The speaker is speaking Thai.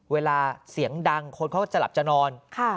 เวลาเสียงดังคนเขาก็จะหลับจะนอน